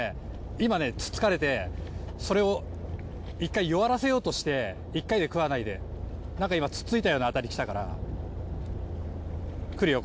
今ねつつかれてそれを１回弱らせようとして１回で食わないでなんか今つっついたようなアタリきたからくるよ